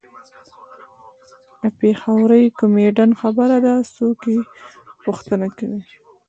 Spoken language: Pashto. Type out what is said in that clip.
د پېښوري کمیډین خبره ده څوک یې پوښتنه کوي.